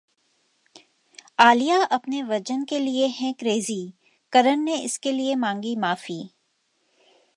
आलिया अपने वजन के लिए हैं क्रेजी, करण ने इसके लिए मांगी माफी